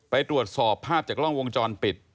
ไปตรวจสอบภาพจากกล้องวงจรปิด